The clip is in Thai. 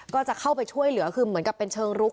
ก็จะเข้าไปช่วยเหลือคือเหมือนกับเป็นเชิงรุก